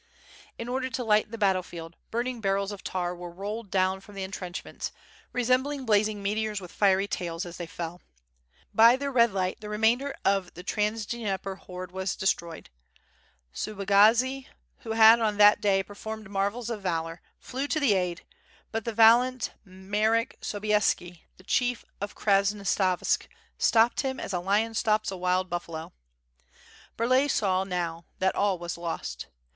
In order to light the battle field, burning barrels of tar were rolled down from the en trenchments, resembling blazing meteors with fiery tails, as they fell. By their red light the remainder of the Trans Dnieper horde were destroyed. Subagazi who had on that day performed marvels of valor, flew to the aid, but the valiant Marek Sobieski, the chief of Krasnostavsk, stopped him as a lion stops a wild buffalo. Burlay saw now that all was lost.